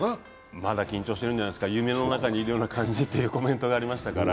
まだ緊張してるんじゃないですか、夢の中にいるような感じというコメントありましたから。